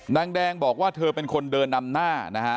นางแดงบอกว่าเธอเป็นคนเดินนำหน้านะฮะ